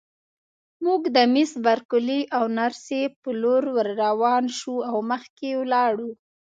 موږ د مس بارکلي او نرسې په لور ورروان شوو او مخکې ولاړو.